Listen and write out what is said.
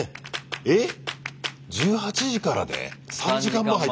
えっ１８時からで⁉３時間前から。